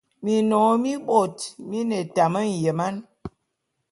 Minnom mibot mine etam enyeman.